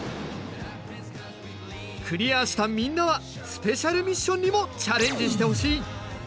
クリアしたみんなはスペシャルミッションにもチャレンジしてほしい。